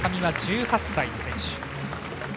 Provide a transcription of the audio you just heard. １８歳の選手。